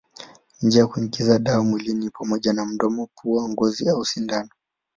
Njia za kuingiza dawa mwilini ni pamoja na mdomo, pua, ngozi au sindano.